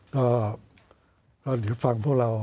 ก็อยู่ฟังพวกเรา